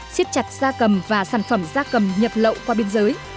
xiếp chặt gia cầm và sản phẩm gia cầm nhập lậu qua biên giới